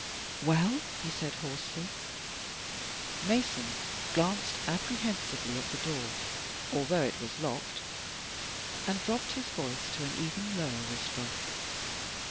"WeU?" he said hoarsely. Mason glanced apprehensively at the door, although it was locked, and dropped his voice to an even lower whisper.